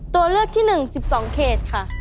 ตัวเลือกที่หนึ่ง๑๒เขตค่ะ